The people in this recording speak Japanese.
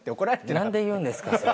何で言うんですかそれ。